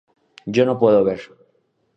Yo no puedo ver.